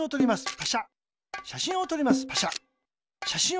パシャ。